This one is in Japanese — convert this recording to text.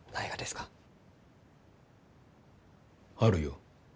あるよ。